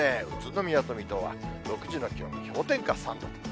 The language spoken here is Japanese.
宇都宮と水戸は６時の気温が氷点下３度。